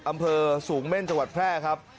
อำเภอสูงเม่นสวัสดิ์แพร่ครับ